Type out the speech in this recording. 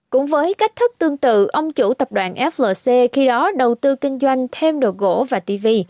cũng với cách thức tương tự ông chủ tập đoàn flc khi đó đầu tư kinh doanh thêm đồ gỗ và tv